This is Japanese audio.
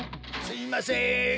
すみません。